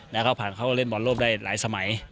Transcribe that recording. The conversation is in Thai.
และเขาเล่นบอลโลภได้หลายสมัย